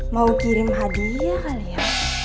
mau kirim hadiah kali ya